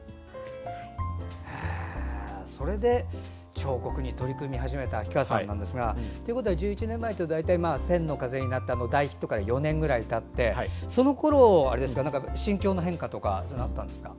それで彫刻に取り組み始めた秋川さんなんですが１１年前というと大体「千の風になって」の大ヒットから４年ぐらいたってそのころ、心境の変化とかあったんですか？